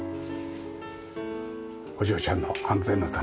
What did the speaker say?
お嬢ちゃんの安全のために。